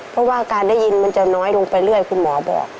เพราะว่าการได้ยินมันจะน้อยลงไปเรื่อยคุณหมอบอก